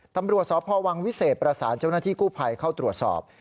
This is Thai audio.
ตำรวจสพวังวิเศษประสานเจ้าหน้าที่กู้ภัยเข้าตรวจสอบ